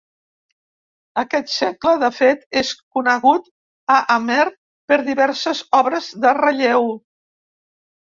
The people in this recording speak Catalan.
Aquest segle, de fet, és conegut a Amer per diverses obres de relleu.